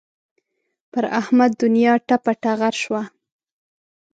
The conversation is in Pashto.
پر احمد دونیا ټپه ټغره شوه.